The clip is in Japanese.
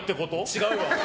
違うわ。